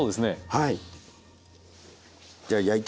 はい。